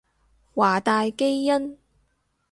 華大基因